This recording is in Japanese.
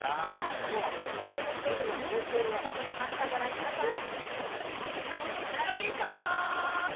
今日は木曜日チームの名シーンをまとめました、ご覧ください。